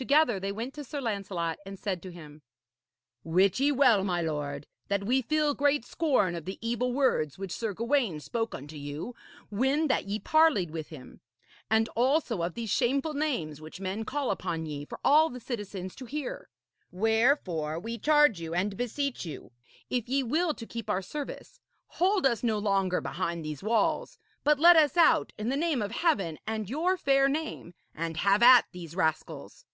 Together they went to Sir Lancelot and said to him: 'Wit ye well, my lord, that we feel great scorn of the evil words which Sir Gawaine spoke unto you when that ye parleyed with him, and also of these shameful names which men call upon ye for all the citizens to hear. Wherefore, we charge you and beseech you, if ye will to keep our service, hold us no longer behind these walls, but let us out, in the name of Heaven and your fair name, and have at these rascals.'